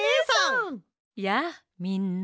やあみんな。